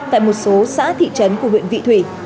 tại một số xã thị trấn của huyện vị thủy